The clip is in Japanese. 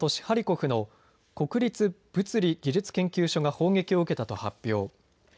ハリコフの国立物理技術研究所が砲撃を受けたと発表。